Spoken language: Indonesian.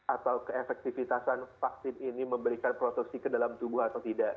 atau keefektivitasan vaksin ini memberikan protoksi ke dalam tubuh atau tidak